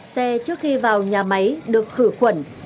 xe trước khi vào nhà máy được khử khuẩn